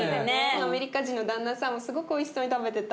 アメリカ人のダンナさんもすごくおいしそうに食べてた。